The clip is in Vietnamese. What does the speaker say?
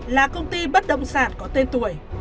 là công ty bất động sản có tên tuổi